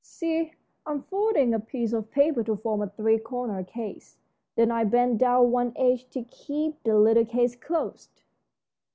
See, I'm folding a piece of paper to form a three cornered case. Then I bend down one edge to keep the little case closed."